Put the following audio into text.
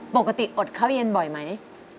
อดข้าวเย็นบ่อยไหม